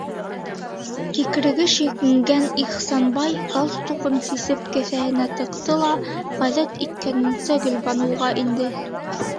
Кикреге шиңгән Ихсанбай, галстугын сисеп кеҫәһенә тыҡты ла, ғәҙәт иткәненсә Гөлбаныуға инде.